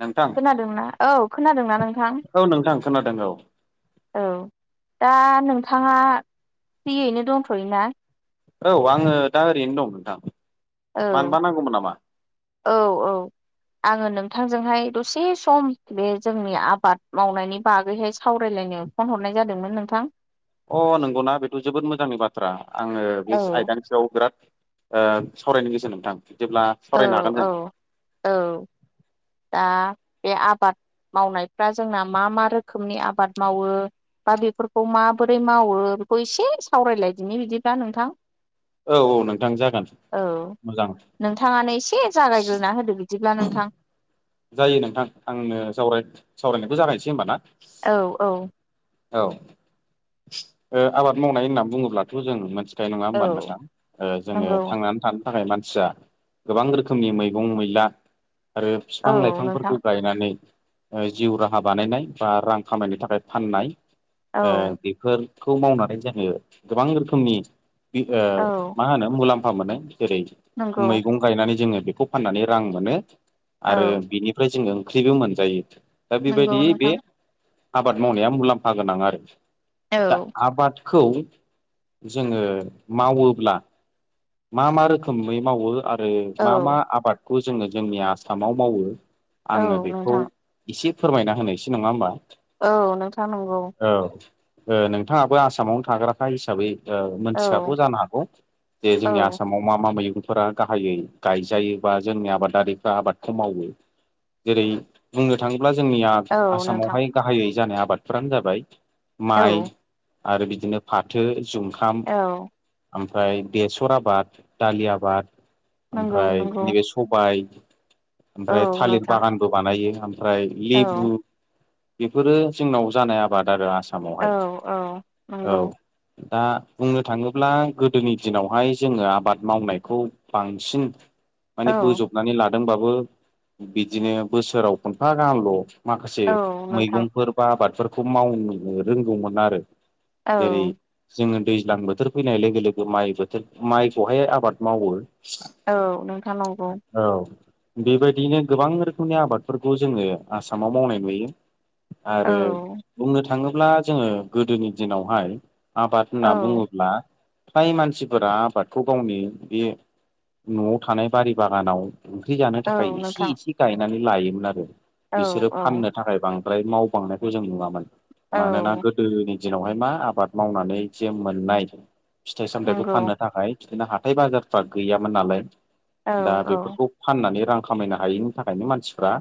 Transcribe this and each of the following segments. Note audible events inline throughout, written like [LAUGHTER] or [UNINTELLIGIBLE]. नोंथां खोनादोंना औ खोनादोंना नोंथां? औ नोंथां खोनादों औ औ दा नोंथाङा फ्रियैनो दंथ'यो ना? औ आङो दा ओरैनो दं नोंथां औ मानोबा नांगौमोन नामा औ औ आङो नों थांजोंहाय दसे सम बे जोंनि आबाद मावनायनि बागैहाय सावरायलायनो फन हरनाय जादोंमोन नोंथां। अ नंगौना बेथ' जोबोद मोजांनि बाथ्रा आङो बे औ आयदानि सायाव बिराद ओ सावरायनो गोसो नोंथां। बिदिब्ला औ सावरायनो हागोन जों। औ औ दा बे आबाद मावनायफ्रा जोंना मा मा रोखोमनि आबाद मावो? बा बेफोरखौ माबोरै मावो? बेखौ एसे सावरायलायदिनि बिदिब्ला नोंथां औ औ नोंथां जागोन [INAUDIBLE] औ मोजां नोंथाङानो एसे जागायग्रोना होदो बि दिब्ला नोंथां जायो नोंथां आंनो जावराय सावरायनायखौ जागायसै होमबा ना? औ औ औ [INAUDIBLE] ओ आबाद मावनाय होननानै बुङोब्लाथ' जों मोनथि खायो नङा होमबा औ नोंथां? जोङो नंगौ थांनानै थानो थाखाय मान सिआ गोबां रोखोमनि मैगं मैला आरो औ फिफां नोंथां लाइफांफोरखौ गायनानै ओ जिउ राहा बानायनाय बा रां खामायनो थाखाय फाननाय औ ओ बेफोर खौ मावनानै जोङो गोबां रोखोमनि ओ औ मा होनो मुलाम्फा मोनो। जेरै नंगौ मैगं गायनानै जोङो बेखौ फाननानै रां मोनो, औ आरो बिनिफ्राय जोङो ओख्रिबो मोनजायो। दा नंगौ बेबायदियै बे नोंथां आबाद मावनाया मुलाम्फा गोनां आरो। औ दा आबादखौ जोङो मावोब्ला मा मा रोखोमै मावो आ ओ मा मा औ आबादखौ जोङो जोंनि आसामाव मावो औ आङो बेखौ नोंथां एसे फोरमायना होनोसै नङा होमबा। औ नोंथां नंगौ। औ ओ नोंथाङाबो आसामावनो थाग्राखा हिसाबै ओ औ मोनथिखागौ जानो हागौ जे औ जोंनि आसामाव मा मा मैगं फोरा गाहायै गायजायो बा जोंनि आबादारिफ्रा आबाद खौ मावो जेरै बुंनो थाङोब्ला जोंनिया औ नोंथां आसामावहाय गाहायै जानाय आ बादफ्रानो जाबाय औ माइ आरो बिदिनो फाथो, जुंखाम, औ ओमफ्राय बेसर आबाद, दालि आबाद, नंगौ ओमफ्राय नंगौ नैबे सबाय, औ ओमफ्राय थालिर नोंथां बागानबो बानायो ओमफ्राय औ लेबु बेफोरो जोंनाव जानाय आबाद आरो औ आसामावहाय, औ औ। नंगौ दा बुंनो थाङोब्ला गोदोनि दिनावहाय जोंङो आबाद मावनायखौ बांसिन औ माने बोजबनानै लादोंबाबो बिदिनो बोसोराव खनफा गाहामल' माखासे औ नोंथां मैगंफोर बा आबादफोरखौ मावनो रोंगौमोन आरो। जेरै औ जोङो दैज्लां बोथोर फैनाय लोगो लोगो माइ बोथोर माइखौहाय आबाद मावो। औ नोंथां नंगौ। औ बेबायदिनो गोबां रोखोमनि आबादफोरखौ जोंङो आसामाव मावनाय नुयो। औ आरो बुंनो थाङोब्ला जोङो गोदोनि दिनावहाय आबाद औ होनना बुङोब्ला फ्राय मानसिफोरा आबादखौ गावनि बे न'आव थानाय बारि बागानाव ओंख्रि जानो औ थाखाय इसे नोंथां इसे गायनानै लायोमोन आरो औ बिसोरो औ फाननो थाखाय बां द्राय मावबांनायखौ जों नुवामोन। औ मानोना गोदोनि दिनावहाय मा आबाद मावनानै जे मोननाय फिथाइ सामथाइखौ नंगौ फाननो थाखाय बिदिनो हाथाय बाजारफ्रा गैयामोन नालाय औ दा औ बेफोरखौ फाननानै रां खामायनो हायैनि थाखायनो मानसिफ्रा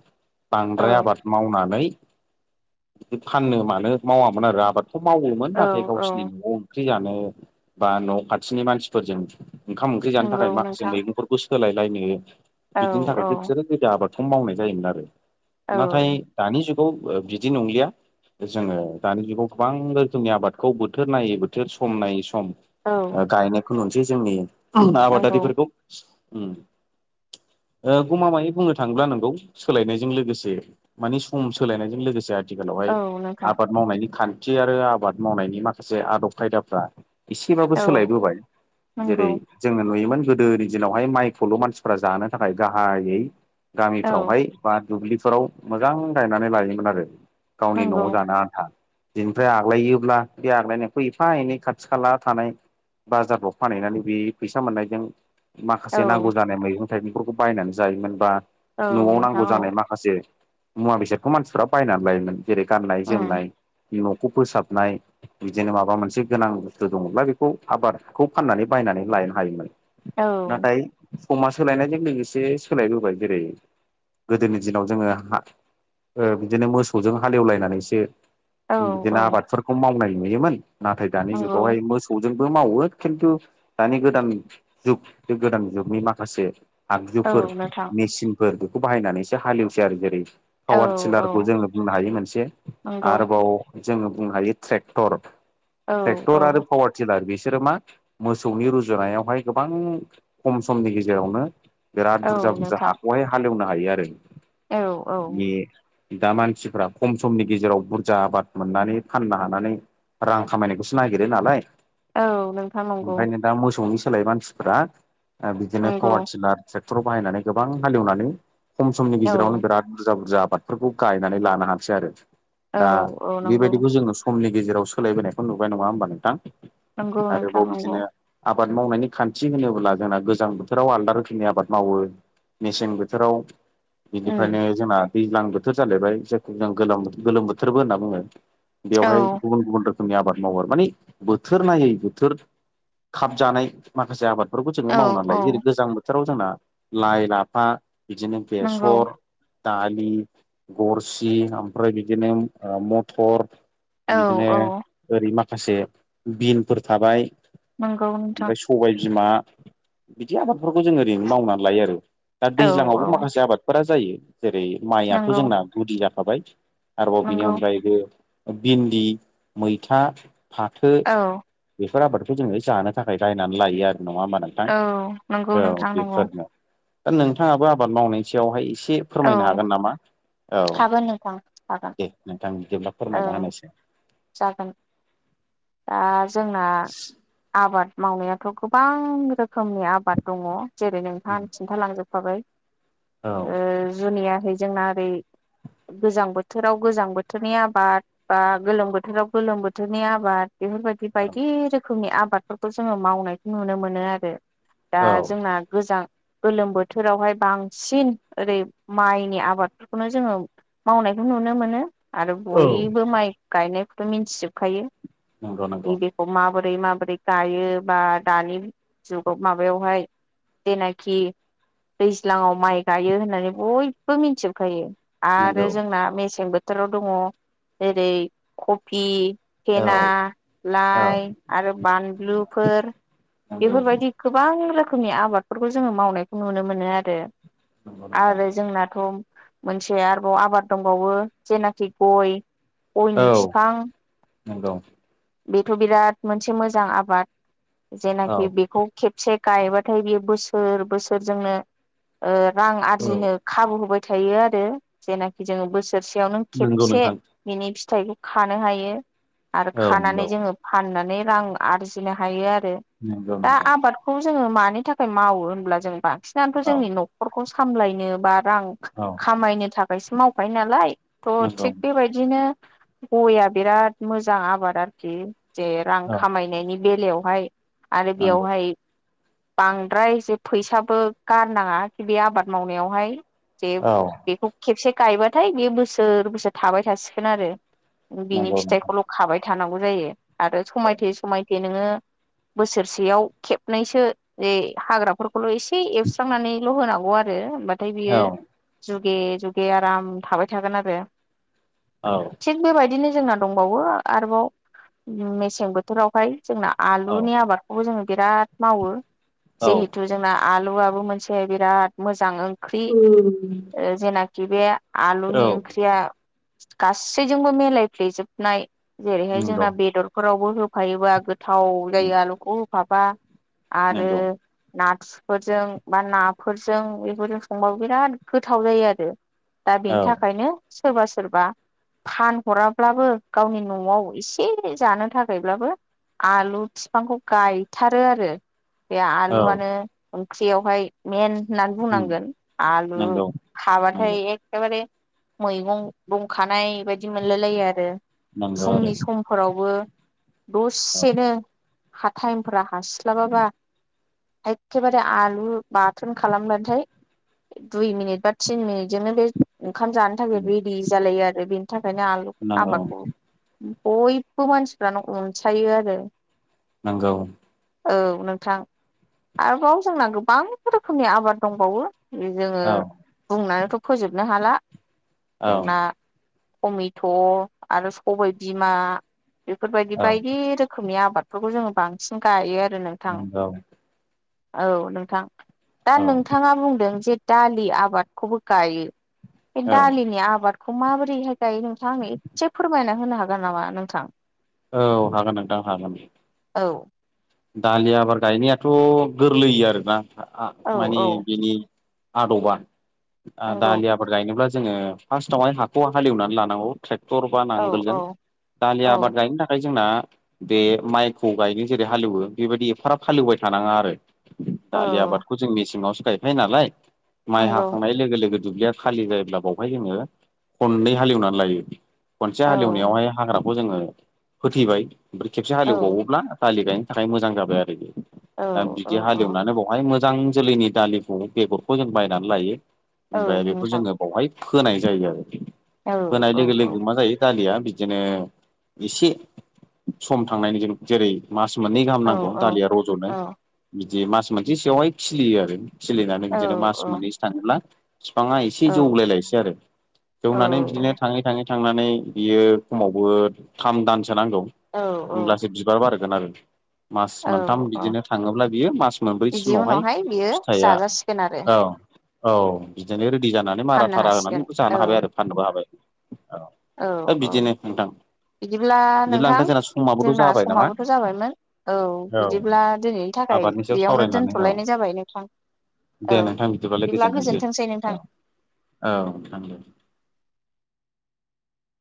बांद्राय आबाद मावनानै फाननो मानो मावामोन आरो आबादखौ मावोमोन नाथाय औ औ गावसोरनि न'आव सावरि जानो बा न' खाथिनि मानसिफोरजों ओंखाम ओंख्रि जानो नंगौ थाखाय माखासे नोंथां मैगंफोरखौ सोलायलायनो औ बिदिनि औ थाखायसो बिसोरो गोदो आबादखौनो मावनाय जायोमोन आरो। औ नाथाय दानि जुगाव बिदि नंलिया जोंङो दानि जुगाव गोबां रोखोमनि आबादखौ बोथोर नायै बोथोर सम नायै सम औ ओ गायनायखौ नुनोसै जोंनि नंगौ आबादारिफोरखौ [INAUDIBLE] ओ गमामै बुंनो थांङोब्ला नोंगौ सोलायनायजों लोगोसे मानि सम सोलायनायजों लोगोसे आरो आथिखालावहाय औ नोंथां आबाद मावनायनि खान्थि आरो आबाद मावनायनि माखासे आदब खायदाफ्रा एसेबाबो औ सोलायबोबाय नंगौ जेरै जोंङो नुयोमोन गोदोनि दिनावहाय माइखौल' मानसिफ्रा जानो थाखाय गाहायै औ गामिफ्रावहाय बा दुब्लिफोराव मोजां गायनानै लायोमोन आरो गावनि नंगौ न'आव जानो आनथा- बिनिफ्राय आग्लायोब्ला बे आग्लायनायखौ एफा एनै खाथि खाला थानाय बाजारफ्राव फानहैनानै बे फैसा मोननायजों औ माखासे नांगौ जानाय मैगं थाइगंफोरखौ बायनानै जायोमोन बा औ न'आव नोंथां नांगौ औ जानाय माखासे मुवा बेसादखौ मानसिफ्रा बायनानै लायोमोन जेरै गाननाय उम जोमनाय न'खौ फोसाबनाय बिदिनो माबा मोनसे गोनां बुस्थु दंङब्ला बेखौ आबादखौ फाननानै बायनानै लायनो हायोमोन। औ। सममा सोलायनायजों लोगोसे सोलायबोबाय जेरै गोदोनि दिनाव जोंङो बिदिनो मोसौजों हालेवलायनानैसो औ बिदिनो औ आबादफोरखौ मावनाय नुयोमोन। नाथाय दानि नंगौ जुगावहाय मोसौ जोंबो मावो खिन्थु दानि गोदान जुग बे गोदान जुगनि माखासे आगजु औ फोर नोंथां मेसिनफोर बेखौ बाहायनानैसो हालेवसै आरो जेरै औ पावार औ टिलारखौ जोंङो बुंनो हायो मोनसे नंगौ आरोबाव जोंङो बुंनो हायो ट्रेक्टर औ ट्रेक्टर आरो पावार टिलार बेस बिसोरो मा मोसौनि रुजुनायावहाय गोबां खम समनि गेजेरावनो बिराद औ बुरजा बुरजा नोंथां हाखौहाय हालेवनो हायो आरो। औ औ। माने दा मानसिफ्रा खम समनि गेजेराव बुरजा आबाद मोननानै फाननो हानानै रां खामायनायखौसो नागिरो नालाय औ नोंथां नंगौ ओंखायनो दा मोसौनि सोलाय मानसिफोरा बिदिनो नंगौ पावार टिलार ट्रेक्टर बाहायनानै गोबां हालेवनानै खम समनि औ गेजेरावनो बिराद बुरजा बुरजा आबादफोरखौ गायनानै लानो हासै आरो औ दा औ नंगौ बेबायदिखौ जोंङो समनि गेजेराव सोलायबोनायखौ नुबाय नंङा होमबा नोंथां। नंगौ नोंथां आरोबाव नंगौ। बिदिनो आबाद मावनायनि खान्थि होनोब्ला जोंना गोजां बोथोराव आलदा रोखोम खिनि आबाद मावो मेसें बोथोराव उम बेनिफ्रायनो जोंना दैज्लां बोथोर जालायबाय जायखौ जों गो गोलोम बोथोरबो होनना बुंङो औ बेवहाय गुबुन गुबुन रोखोम रोखोमनि आबाद मावो माने बोथोर नायै बोथोर खाबजानाय माखासे आबाद बेफोरखौ जोंङो औ मावनानै औ लायो जेरै गोजां बोथोराव जोंना लाइ लाफा बिदिनो नंगौ बेसर दालि गरसि ओमफ्राय बिदिनो मथर औ बिदिनो औ ओरै माखासे बिनफोर थाबाय नंगौ नोंथां ओमफ्राय सबाय बिमा बिदि आबादफोरखौ जों ओरैनो मावनानै लायो आरो। दा औ दैज्लांवबो औ माखासे आबादफोरा जायो जेरै माइयाथ' नंगौ जोंना गुदि जाखाबाय आरोबाव बेनि नंगौ अनगायैबो भिन्दि मैथा फाथो औ बेफोर आबादखौ जोंङो जानो थाखाय रायनानै लायो आरो नंङा होमबा नोंथां। औ नंगौ औ नोंथां नंगौ बेफोरनो। दा नोंथांङाबो आबाद मावनायनि सायावहाय एसे औ फोरमायनो हागोन नामा? औ हागोन नोंथां हागोन दे नोंथां जेब्ला औ फोरमायना होनोसै। जागोन। दा जोंना आबाद मावनायाथ' गोबां रोखोमनि आबाद दंङो जेरै नोंथांङा खिन्थालांजोबखाबाय औ ओ जुनियाहै जोंना ओरै गोजां बोथोराव गोजां बोथोरनि आबाद बा गोलोम बोथोराव गोलोम बोथोरनि आबाद बेफोरबायदि बायदि रोखोमनि आबादफोरखौ जोंङो मावनायखौ नुनो मोनो आरो। दा औ जोंना गोजां गोलोम बोथोरावहाय बांसिन ओरै माइनि आबादफोरखौनो जोंङो मावनाय नुनो मोनो आरो औ बयबो माइ गायनायखौथ' मिन्थिजोबखायो नंगौ नंगौ बेखौ माबोरै बोरै माबोरै गायो बा दानि जुगाव माबायावहाय जेनाखि दैज्लांङाव माइ गायो होननानै बयबो मिथिजोबखायो आरो नंगौ जोंना मेसें बोथोराव दंङो जेरै कफि औ खना औ लाइ आरो बानलुफोर नंगौ बेफोरबायदि गोबां रोखोम रोखोमनि आबादफोरखौ जोंङो मावनायखौ नुनो मोनो आरो नंगौ नोंथां आरो जोंनाथ' मोनसेया आरोबाव आबाद दंबावो जेनाखि गय औ गयनि फिफां नंगौ बेथ' बिराद मोनसे मोजां आबाद औ जेनाखि बेखौ खेबसे गायबाथाय बेयो बोसोर बोसोर जोंनो रां औ आरजिनो खाबु होबाय फिथाय थाययो आरो जेनाखि जोंङो बोसोरसेयावनो नंगौ खेबसे नोंथां बिनि फि फिथाइखौ खानो हायो आरो औ खानानै नंगौ जोंङो फाननानै रां आरजिनो हायो आरो नंगौ दा नोंथां आबादखौ जोंङो मानि थाखाय मावो होनब्ला जों बांसिनानोथ' औ जोंनि न'खरखौ सामलायनो बा रां औ खामायनो थाखायसो मावखायो नालाय थ' नंगौ थिग बेबायदिनो गया बिराद मोजां आबाद आरोखि जे रां औ खामायनायनि बेलायावहाय आरो नंगौ बेयावहाय बांद्राय जे फैसाबो गारनाङा बे आबाद मावनायावहाय जे औ बेखौ खेबसे गायबाथाय बे बोसोर बोसोर थाबाय थासिगोन आरो बिनि नंगौ नोंथां फिथाइखौल' खाबाय थानांगौ जायो आरो औ समायथे समायथ नोंङो बोसोरसेयाव खेबनैसो जे हाग्राखौ ल' एसे एवस्रांनानैल' होनांगौ आरो होनबाथाय बियो जु जुगे जुगे आराम थाबाय थागोन आरो औ थिग बेबायदिनो जोंहा दंबावो आरोबाव मेसें बोथोरावहाय जोंना औ आलुनि आबादखौबो जों बिराद मावो औ जिहेथु जोंना आलुआबो मोनसे बिराद मोजां मोजां ओंख्रि जेनाखि बे आलुनि ओंख्रिया गासैजोंबो मिलायफ्लेजोबनाय जेरैहाय नंगौ जोंना बेदरफोरावबो होफायोबा थाव जायो आलुखौ होफाबा आरो नंगौ नथुर फोरजों बा नाफोरजों बेफोरजों संबाबो बिराद गोथाव जायो आरो दा बेनि औ थाखायनो सोरबा सोरबा फानहराब्लाबो गावनि न'आव एसे जानो थाखायब्लाबो आलु बिफांखौ गायथारो आरो बे औ आलुआनो ओंख्रियावहाय मेेन होननानै बुंनांगोन आलु नंगौ हाबाथाय नंगौ एखेबारे मैगं दंखानाय बायदि मोनलायलायो आरो फुंनि नंगौ समफोरावबो आरो दसेनो हाथाइमफोरा हास्लाबाबा एखेबारे आलु बाथोन खालामबथाय दुइ मिनिट बा थिन मिनिटजोंनो बे ओंखाम औ जानो थाखाय रेडि जालायो आरो बेनि थाखायनो आल नंगौ आबादखौ बयबो मानसिफ्रानो अनसायो आरो नंगौ औ नोंथां आरोबाव जोंना गोबां रोखोमनि आबाद दंबावो जोङो औ बुंनानैथ' फोजोबनो हाला जोंना टमेट' आरो सबाय बिमा बेफोरबायदि औ बायदि रोखोमनि आबाद आबादफोरखौ जोङो बांसिन गायो आरो नोंथां नंगौ औ नोंथां दा औ नोंथाङा बुंदों जे दालि आबादखौबो गायो बे औ दालिनि आबादखौ माबोरैहाय गायो नोंथां आंनो एसे फोरमायना होनो हागोन नामा नोंथां औ हागोन नोंथां हागोन औ दालि आबाद गायनायाथ' गोरलैयो आरोना औ माने औ बिनि आदबा नंगौ दालि आबाद गायनोब्ला जोङो फार्स्टआवहाय हाखौ हालेवनानै लानांगौ ट्रेक दरबा औ औ नांगोलजों दालि औ आबाद गायनो थाखाय जोंना बे माइखौ गायनो जेरै हालेवो बेबायदि एफाराब हालेवबाय थानाङा आरो दालि औ आबादखौ जों मेसेङाव गायफायो नालाय माइ नंगौ हाखांनाय लोगो लोगो दुब्लिया खालि जायोब्ला बावहाय जोङो खननै हालेवनानै लायो खनसे औ हालेवनायावहाय हाग्राखौ जोङो होथैबाय ओमफ्राय खेबसे औ हालेवबावोब्ला दालि गायनो थाखाय मोजां जाबाय आरो औ दा औ बिदि औ हालएवनानै बावहाय मोजां मोजां जोलैनि दालिखौ बेगरखौ जों बायनानै लायो औ ओमफ्राय बेखौ नोंथां जोङो बावहाय फोनाय जायो आरो औ औ फोनाय लोगो औ लोगो मा जायो दालिया बिदिनो एसे सम थांनायनि जेरै मास मास मोननै गाहाम औ नांगौ औ दालिया रज'नो बिदि मास मोनसेसोयावहाय खिलियो आरो सोलिनानै औ बिदिनो मास मोननैसो थाङोब्ला बिफाङा एसे जौलायलायसै आरो जौनानै बिदिनो थाङै थाङै थांनानै बियो खमावबो थाम दानसो नांगौ औ होमब्लासो बिबार बारो ज [UNINTELLIGIBLE] मास मोनथाम औ बिदिनो थाङोब्ला बियो मास बिदि मोनब्रैसिमावहाय उनावहाय बियो फिथाइया जाजासिगोन आरो औ औ बिदिनो रेडि जानानै फाननो मारााथारा हासिगोन होननानै औ जानो हाबाय आरो फाननोबो हाबाय औ बिदिनो नोंथां बिदिब्ला बिदिब्ला नोंथां जोंना समाबोथ' जोंना जाबाय नामा समाबोथ' जाबाय औ बिदिब्ला दिनैनि थाखाय आबादनि सायाव बेयावनो सावरायनानै औ दोनथ'लायनाय जाबाय नोंथां दे औ नोंथां बिदिबालाय बिदिब्ला गोजोनथोंसै नोंथां औ औ नंगौ